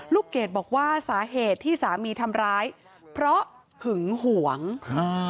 เกดบอกว่าสาเหตุที่สามีทำร้ายเพราะหึงหวงครับ